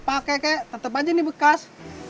pak keke tetep aja nih bekas